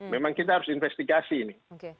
memang kita harus investigasi ini